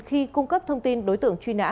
khi cung cấp thông tin đối tượng truy nã